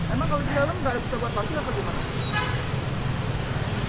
emang kalau di dalam tidak bisa buat parkir atau bagaimana